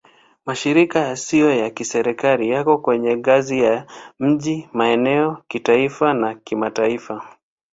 Mashirika yasiyo ya Kiserikali yako kwenye ngazi ya miji, maeneo, kitaifa na kimataifa.